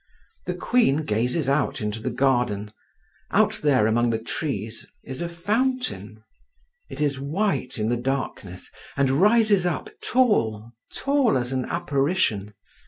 The queen gazes out into the garden. Out there among the trees is a fountain; it is white in the darkness, and rises up tall, tall as an apparition.